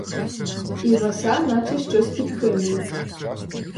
Івася наче що підкинуло.